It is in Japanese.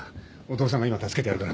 お父さんが今助けてやるからな。